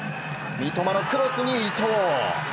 三笘のクロスに伊東。